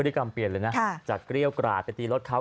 ที่กรรมเปลี่ยนเลยนะจากเกรี้ยวกราดไปตีรถเขา